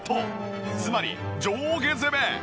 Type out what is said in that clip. つまり上下攻め！